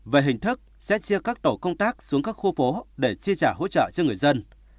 về hình thức sẽ chia các tổ công tác xuống các khu phố để chi trả hỗ trợ cho người dân